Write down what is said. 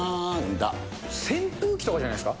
扇風機とかじゃないですか？